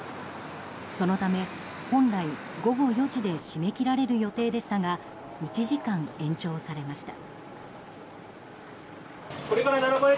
そのため本来、午後４時で締め切られる予定でしたが１時間延長されました。